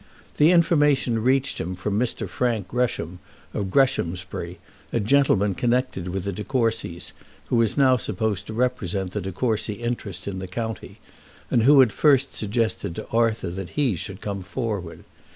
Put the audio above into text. The information reached him from Mr. Frank Gresham, of Greshamsbury, a gentleman connected with the De Courcys who was now supposed to represent the De Courcy interest in the county, and who had first suggested to Arthur that he should come forward.